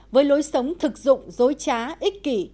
với lối sống thực dụng dối trá ích kỷ